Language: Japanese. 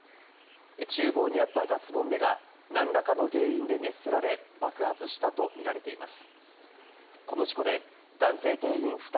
厨房にあったガスボンベが何らかの原因で熱せられ、爆発したとみられています。